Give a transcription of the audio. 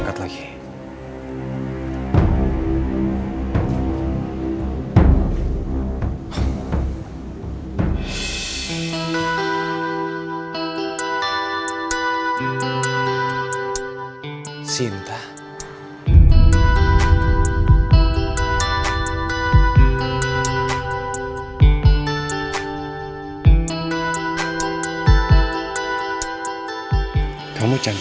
aku sangat mencintaimu sinta